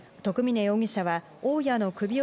徳嶺容疑者は大家の首を